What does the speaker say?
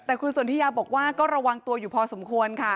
แต่คุณสนทิยาบอกว่าก็ระวังตัวอยู่พอสมควรค่ะ